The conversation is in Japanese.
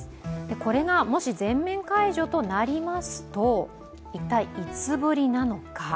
これがもし、全面解除となりますと一体、いつぶりなのか。